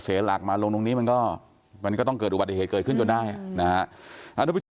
เสียหลักมาลงตรงนี้มันก็มันก็ต้องเกิดอุบัติเหตุเกิดขึ้นจนได้นะฮะ